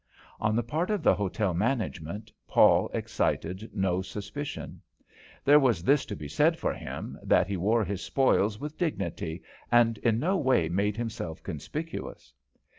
On the part of the hotel management, Paul excited no suspicion. There was this to be said for him, that he wore his spoils with dignity and in no way made himself conspicuous.